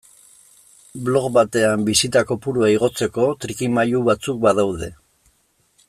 Blog batean bisita kopurua igotzeko trikimailu batzuk badaude.